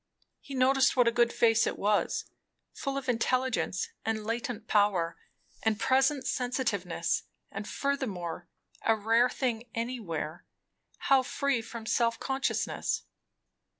He noticed what a good face it was, full of intelligence and latent power, and present sensitiveness; and furthermore, a rare thing anywhere, how free from self consciousness.